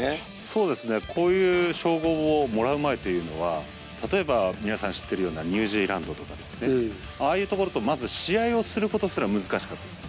そうですねこういう称号をもらう前というのは例えば皆さん知ってるようなニュージーランドとかですねああいうところとまず試合をすることすら難しかったです。